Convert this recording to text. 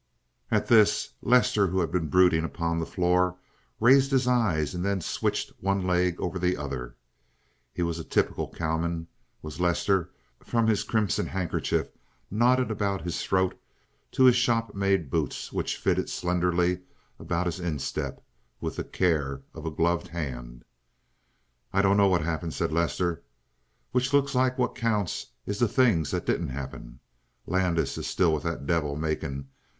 At this Lester, who had been brooding upon the floor, raised his eyes and then switched one leg over the other. He was a typical cowman, was Lester, from his crimson handkerchief knotted around his throat to his shop made boots which fitted slenderly about his instep with the care of a gloved hand. "I dunno what happened," said Lester. "Which looks like what counts is the things that didn't happen. Landis is still with that devil, Macon.